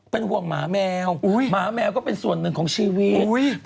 เป็นห่วงหมาแมวหมาแมวก็เป็นส่วนหนึ่งของชีวิต